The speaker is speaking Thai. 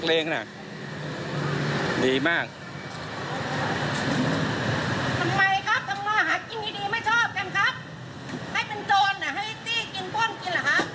ขอถามหน่อยนี่ล่ะครับคนทำมาหากินแบบชื่นสรรจุศเล็กแต่พวกควรเอาที่๒๐๐๐๓๐๐๐บาท